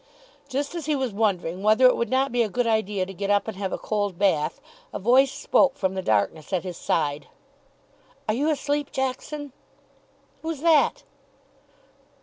Just as he was wondering whether it would not be a good idea to get up and have a cold bath, a voice spoke from the darkness at his side. "Are you asleep, Jackson?" "Who's that?"